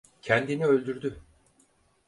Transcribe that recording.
Kendini öldürdü.